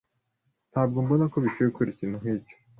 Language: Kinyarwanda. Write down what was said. Ntabwo mbona ko bikwiye gukora ikintu nkicyo.